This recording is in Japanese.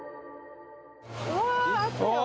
うわあったよ